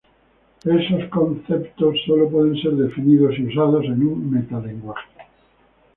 Esos conceptos solo pueden ser definidos y usados en un "metalenguaje".